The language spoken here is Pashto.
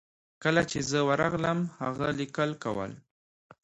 کله چې زه ورغلم هغه لیکل کول.